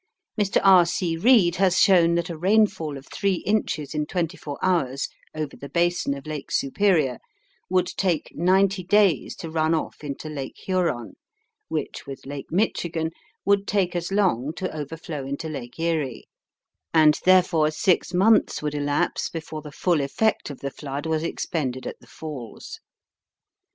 Mr. R. C. Reid has shown that a rainfall of three inches in twenty four hours over the basin of Lake Superior would take ninety days to run off into Lake Huron, which, with Lake Michigan, would take as long to overflow into Lake Erie; and, therefore, six months would elapse before the full effect of the flood was expended at the Falls.